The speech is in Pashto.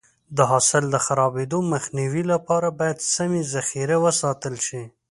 د حاصل د خرابېدو مخنیوي لپاره باید سمې ذخیره وساتل شي.